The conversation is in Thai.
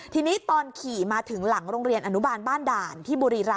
ทีนี้ตอนขี่มาถึงหลังโรงเรียนอนุบาลบ้านด่านที่บุรีรำ